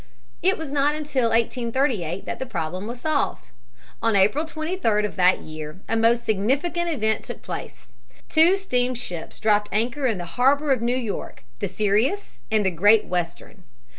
It was not until 1838 that the problem was solved. On April 23d of that year a most significant event took place. Two steamships dropped anchor in the harbor of New York, the Sirius and the Great Western.